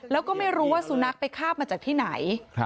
แล้วก็ไม่รู้ว่าสุนัขไปคาบมาจากที่ไหน